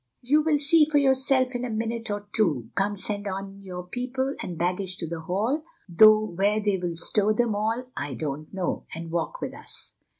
"You will see for yourself in a minute or two. Come, send on your people and baggage to the Hall, though where they will stow them all I don't know, and walk with us."